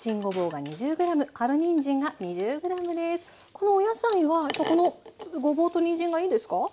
このお野菜はこのごぼうとにんじんがいいんですか？